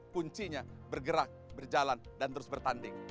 kuncinya bergerak berjalan dan terus bertanding